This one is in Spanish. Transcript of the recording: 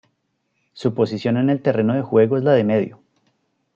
Su posición en el terreno de juego es la de medio.